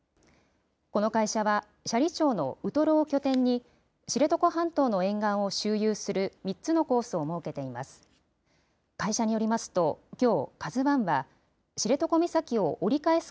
この会社は、斜里町のウトロを拠点に、知床半島の沿岸を周遊する３つのコースを設けています。